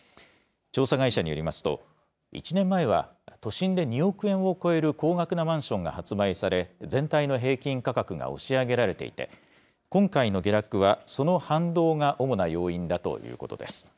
調査会社によりますと、１年前は都心で２億円を超える高額なマンションが発売され、全体の平均価格が押し上げられていて、今回の下落は、その反動が主な要因だということです。